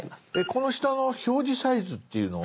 この下の「表示サイズ」っていうのは。